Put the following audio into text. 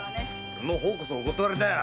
俺の方こそお断りだよ！